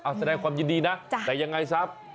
อักเสด็จความยินดีนะแต่ยังไงซับ